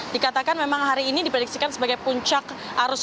dikatakan memang hari ini diprediksikan sebagai puncak arus